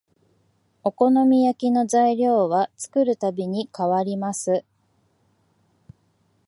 お好み焼きの材料は作るたびに変わります